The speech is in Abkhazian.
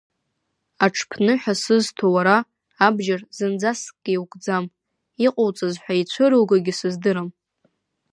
Аҽԥныҳәа сызҭо уара, абџьар зынӡаскгьы иукӡам, иҟоуҵаз ҳәа ицәыругогьы сыздырам.